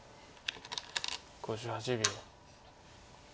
５８秒。